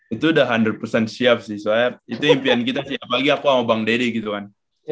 itu udah under pesan siap sih soalnya itu impian kita sih apalagi aku sama bang deddy gitu kan